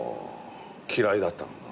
嫌いだったのかな。